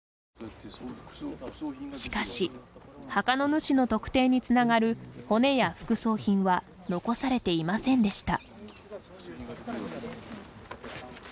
しかし、墓の主の特定につながる骨や副葬品は残されていませんでした。